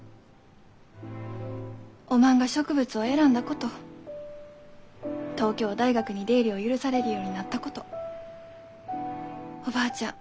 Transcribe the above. おまんが植物を選んだこと東京大学に出入りを許されるようになったことおばあちゃん